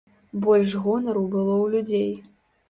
Больш гонару было ў людзей.